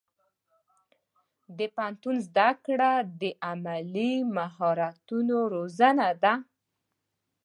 د پوهنتون زده کړه د عملي مهارتونو روزنه ده.